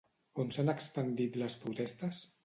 On s'han expandit les protestes?